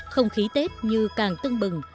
không khí tết như càng tưng bừng